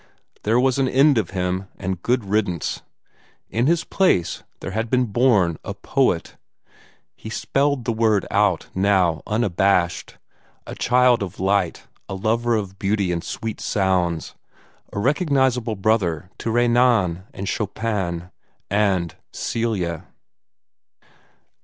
There was an end of him, and good riddance. In his place there had been born a Poet he spelled the word out now unabashed a child of light, a lover of beauty and sweet sounds, a recognizable brother to Renan and Chopin and Celia!